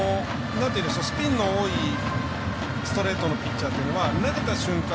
スピンの多いストレートのピッチャーは投げた瞬間